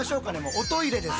おトイレです。